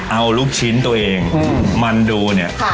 เอาลูกชิ้นตัวเองมันดูเนี่ย